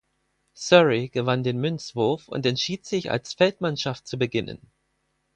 Surrey gewann den Münzwurf und entschied sich als Feldmannschaft zu beginnen.